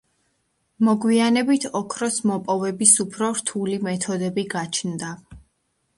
მოგვიანებით ოქროს მოპოვების უფრო რთული მეთოდები გაჩნდა.